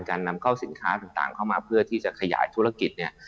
นำเข้าสินค้าต่างเข้ามาเพื่อที่จะขยายธุรกิจเนี่ย